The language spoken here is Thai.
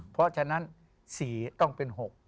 เพราะฉะนั้น๔ต้องเป็น๖